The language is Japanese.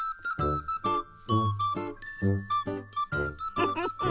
フフフフ。